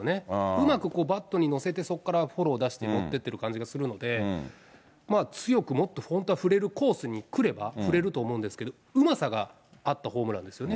うまくバットに乗せて、そこから乗せて持っていっている感じがするので、まあ、強くもっと本当に触れるコースに来れば、振れると思うんですけど、うまさがあったホームランですよね。